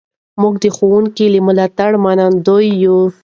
موږ د ښوونکي له ملاتړه منندوی یو.